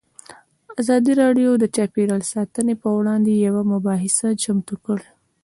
ازادي راډیو د چاپیریال ساتنه پر وړاندې یوه مباحثه چمتو کړې.